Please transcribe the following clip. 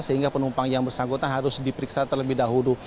sehingga penumpang yang bersangkutan harus diperiksa terlebih dahulu